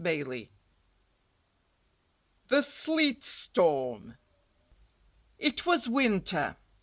XIX The Sleet Storm It was winter.